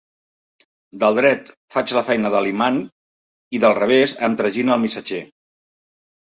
Del dret faig la feina de l'imant i del revés em tragina el missatger.